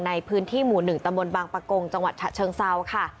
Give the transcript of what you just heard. ในพื้นที่หมู่๑ตำบลบางปะโกงจังหวัดฉะเชิงเซาค่ะ